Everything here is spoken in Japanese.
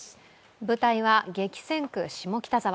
舞台は激戦区・下北沢。